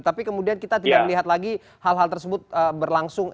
tapi kemudian kita tidak melihat lagi hal hal tersebut berlangsung